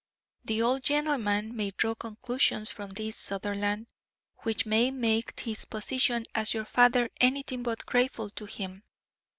The old gentleman may draw conclusions from this, Sutherland, which may make his position as your father anything but grateful to him.